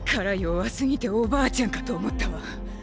力弱すぎておばあちゃんかと思ったわ。